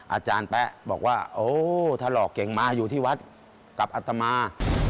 อาจารย์แป๊บอกว่าเทราะเก่งมาอยู่ที่วัดกับอัตตมา